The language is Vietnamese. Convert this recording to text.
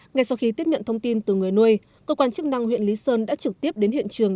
ngay sau khi tiếp nhận thông tin từ người nuôi cơ quan chức năng huyện lý sơn đã trực tiếp đến hiện trường